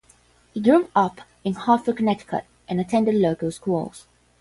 He grew up in Hartford, Connecticut, and attended local schools.